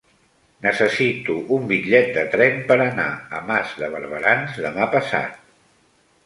Necessito un bitllet de tren per anar a Mas de Barberans demà passat.